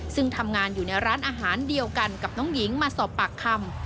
ซึ่งทำงานอยู่ในร้านอาหารเดียวกันกับน้องหญิงมาสอบปากคำ